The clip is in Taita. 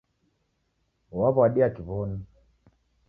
Waw'adia Kiw'onu.